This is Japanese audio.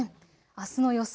あすの予想